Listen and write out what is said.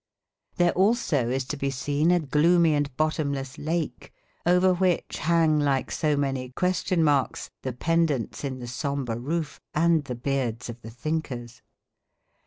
There also is to be seen a gloomy and bottomless lake over which hang like so many question marks, the pendants in the sombre roof and the beards of the thinkers.